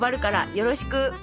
よろしく！！」。